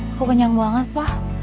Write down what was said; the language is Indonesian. aku kenyang banget pak